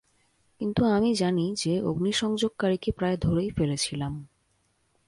কিন্তু আমি জানি যে অগ্নিসংযোগকারীকে প্রায় ধরেই ফেলেছিলাম।